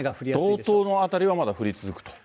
道東の辺りはまだ降り続くと。